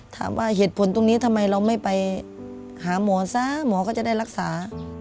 ถามว่าเหตุผลตรงนี้ทำไมเราไม่ไปหาหมอซะหมอก็จะได้รักษา